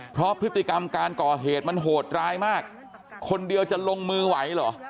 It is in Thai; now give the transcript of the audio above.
เพราะพฤติกรรมการก่อเหตุมันโหดร้ายมากคนเดียวจะลงมือไหวเหรอ